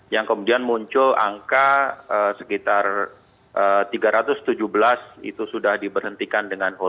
yang kemudian muncul angka sekitar tiga ratus tujuh belas itu sudah diberhentikan dengan